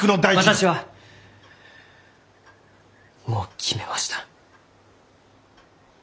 私はもう決めました。